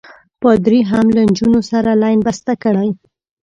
پادري هم له نجونو سره لین بسته کړی.